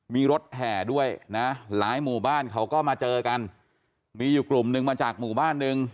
มีรถแห่ด้วยนะหลายหมู่บ้านเขาก็มาเจอกันมีอยู่กลุ่มหนึ่งมาจากหมู่บ้านหนึ่ง